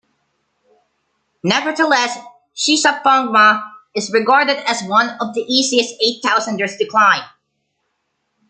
Nevertheless, Shishapangma is regarded as one of the easiest eight-thousanders to climb.